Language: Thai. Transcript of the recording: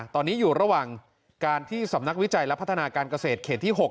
ตอนนี้อยู่ระหว่างการที่สำนักวิจัยและพัฒนาการเกษตรเขตที่๖